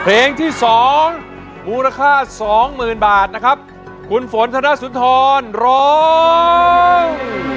เพลงที่สองมูลค่าสองหมื่นบาทนะครับคุณฝนธนสุนทรร้อง